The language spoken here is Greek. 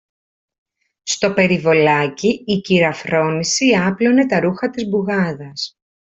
Στο περιβολάκι η κυρα-Φρόνηση άπλωνε τα ρούχα της μπουγάδας